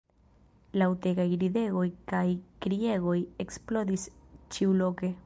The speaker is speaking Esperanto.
Laŭtegaj ridegoj kaj kriegoj eksplodis ĉiuloke.